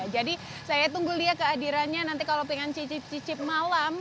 jadi saya tunggu lia kehadirannya nanti kalau ingin cicip cicip malam